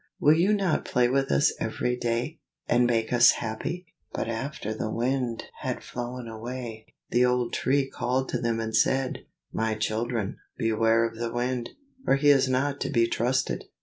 will you not play with us every day, and make us happy?" But after the Wind had flown away, the old Tree called to them and said, "My children, beware of the Wind, for he is not to be trusted.